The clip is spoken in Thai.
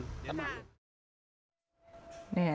ใช่